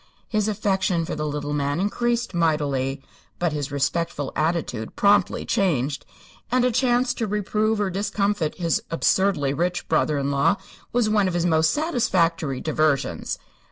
His affection for the little man increased mightily, but his respectful attitude promptly changed, and a chance to reprove or discomfit his absurdly rich brother in law was one of his most satisfactory diversions.